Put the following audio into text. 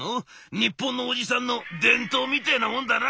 日本のおじさんの伝統みてえなもんだな。